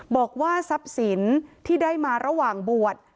บอกว่าทรัพย์สินที่ได้มาระหว่างบวช